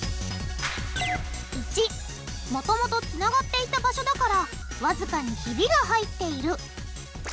①もともとつながっていた場所だからわずかにひびが入っている。